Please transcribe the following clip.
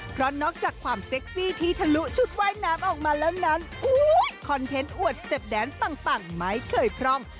เพราะนอกจากความเซ็กซี่ที่ทะลุชุดว่ายน้ำออกมาแล้วนั้นคอนเทนต์อวดเสพแดนปังไม่เคยพร่อง